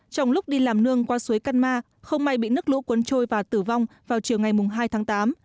trong lúc đi làm nương qua suối kanma không may bị nước lũ cuốn trôi và tử vong vào chiều ngày hai tháng tám